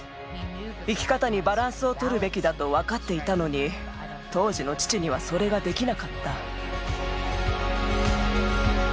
生き方にバランスを取るべきだと分かっていたのに当時の父にはそれができなかった。